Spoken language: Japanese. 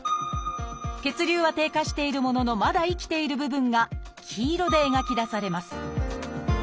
血流は低下しているもののまだ生きている部分が黄色で描き出されます。